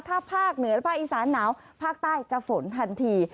ถ้าภาคเหนือภาคอีสานหนาวภาคใต้จะฝนทันที